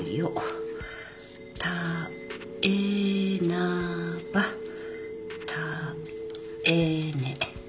「たえなばたえね」